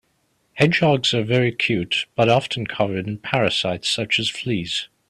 Hedgehogs are very cute but often covered in parasites such as fleas.